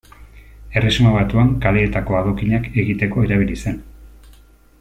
Erresuma Batuan kaleetako adokinak egiteko erabili zen.